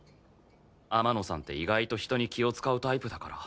天野さんって意外と人に気を使うタイプだから。